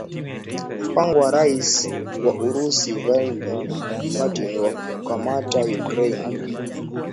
Mpango wa Raisi wa Urusi Vladmir Putin wa kuikamata Ukraine